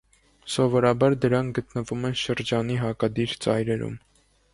Սովորաբար դրանք գտնվում են շրջանի հակադիր ծայրերում։